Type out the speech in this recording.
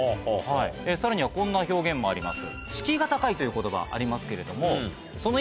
さらにはこんな表現もあります。